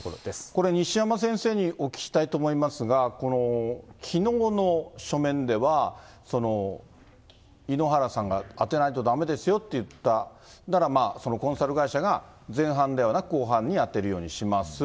これ、西山先生にお聞きしたいと思いますが、きのうの書面では、井ノ原さんが当てないとだめですよと言った、コンサルティング会社が、前半ではなく、後半に当てるようにします。